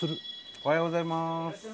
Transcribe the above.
おはようございます。